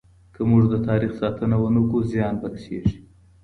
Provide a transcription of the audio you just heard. که موږ د تاريخ ساتنه ونه کړو، زيان به رسيږي.